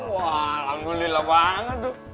wah alhamdulillah banget tuh